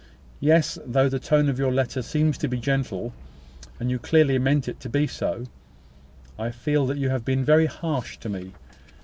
Yes; though the tone of your letter seems to be gentle, and you clearly mean it to be so, I feel that you have been very harsh to me.